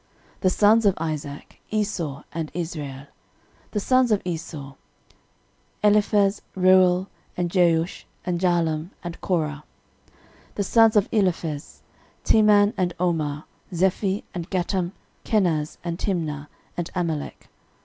The sons of Isaac; Esau and Israel. 13:001:035 The sons of Esau; Eliphaz, Reuel, and Jeush, and Jaalam, and Korah. 13:001:036 The sons of Eliphaz; Teman, and Omar, Zephi, and Gatam, Kenaz, and Timna, and Amalek.